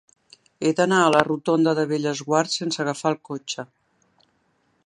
He d'anar a la rotonda de Bellesguard sense agafar el cotxe.